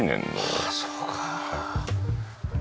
ああそうかあ。